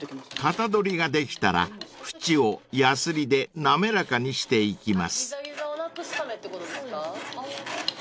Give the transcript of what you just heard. ［型取りができたら縁をやすりで滑らかにしていきます］